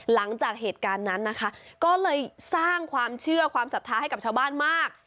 หลังจากเหตุการณ์นั้นนะคะก็เลยสร้างความเชื่อความศรัทธาให้กับชาวบ้านมาก